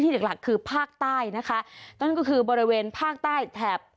หลักหลักคือภาคใต้นะคะนั่นก็คือบริเวณภาคใต้แถบ